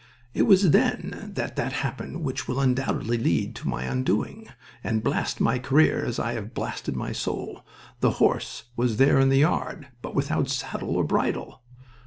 "It was then that that happened which will undoubtedly lead to my undoing, and blast my career as I have blasted my soul. The horse was there in the yard, but without saddle or bridle.